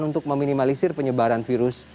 untuk meminimalisir penyebaran virus